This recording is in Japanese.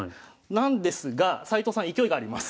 なんですが斎藤さん勢いがあります。